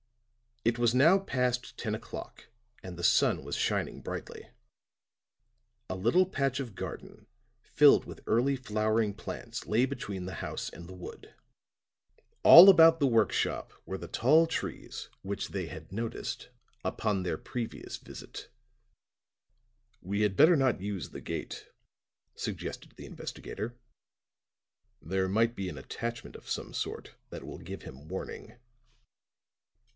It was now past ten o'clock and the sun was shining brightly; a little patch of garden, filled with early flowering plants lay between the house and the wood; all about the work shop were the tall trees which they had noticed upon their previous visit. "We had better not use the gate," suggested the investigator. "There might be an attachment of some sort that will give him warning."